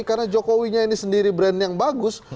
karena jokowinya ini sendiri brand yang bagus